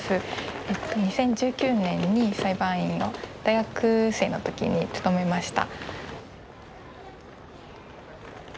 ２０１９年に裁判員を大学生の時に務めました。